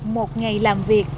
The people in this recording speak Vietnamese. một ngày làm việc